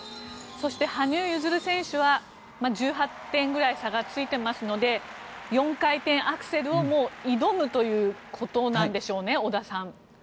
そして、羽生結弦選手は１８点ぐらい差がついていますので４回転アクセルを挑むということなんでしょうね。